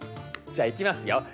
じゃあいきますよ。